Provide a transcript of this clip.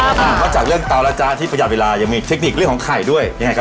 นอกจากเรื่องเตาแล้วจ๊ะที่ประหยัดเวลายังมีเทคนิคเรื่องของไข่ด้วยยังไงครับ